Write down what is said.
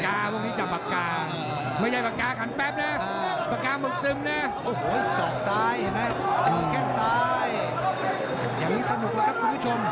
อย่างนี้สนุกแล้วครับคุณผู้ชม